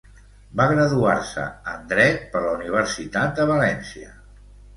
Va graduar-se en dret per la Universitat de València.